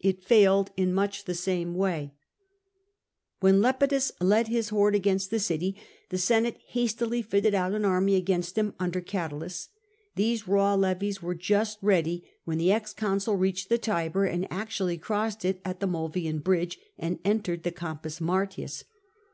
It failed in much the same way. THE INSURRECTION OF LEPIDUS 165 When Lepidns led his horde against the city, the Senate hastily fitted out an army against him under Oatulus. These raw levies were just ready when the ex consul reached the Tiber, and actually crossed it at the Mulvian Bridge and entered the Campus Martins.